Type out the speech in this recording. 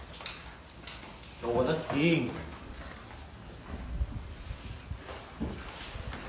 ตอนนี้ก็ไม่มีเวลาให้กลับไปแต่ตอนนี้ก็ไม่มีเวลาให้กลับไป